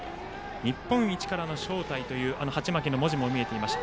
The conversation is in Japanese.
日本一からの招待という鉢巻きの文字も見えていました。